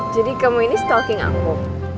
jadi kamu ini stalking aku